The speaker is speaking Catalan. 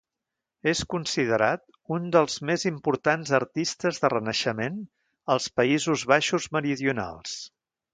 És considerat un dels més importants artistes de renaixement als Països Baixos meridionals.